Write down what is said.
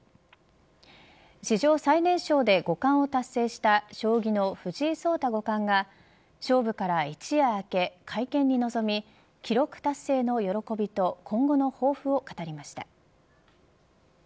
史上最年少で五冠を達成した将棋の藤井聡太五冠が勝負から一夜明け会見に臨み記録達成の喜びと今後の抱負を語りました。